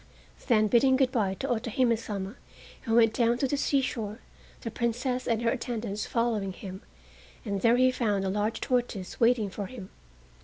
Then bidding good by to Otohime Sama he went down to the seashore, the Princess and her attendants following him, and there he found a large tortoise waiting for him.